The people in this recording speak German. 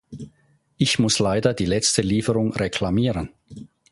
Ich muss leider die letzte Lieferung reklamieren.